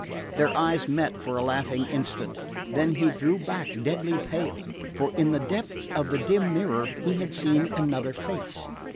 Their eyes met for a laughing instant; then he drew back deadly pale, for in the depths of the dim mirror he had seen another face.